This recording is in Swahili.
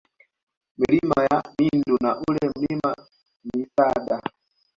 Milima ya Mindu na ule Mlima Misada